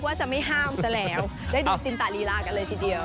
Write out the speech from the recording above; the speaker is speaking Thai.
ว่าจะไม่ห้ามซะแล้วได้ดูซินตาลีลากันเลยทีเดียว